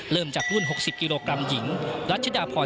เริ่มจากรุ่น๖๐กิโลกรัมหญิงรัชดาพรสาวต่อ